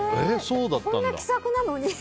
こんな気さくなのに？